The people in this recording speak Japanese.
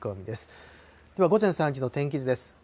では午前３時の天気図です。